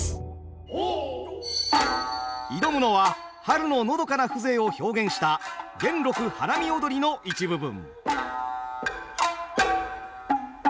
挑むのは春ののどかな風情を表現した「元禄花見踊」の一部分。